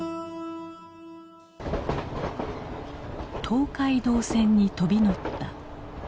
東海道線に飛び乗った。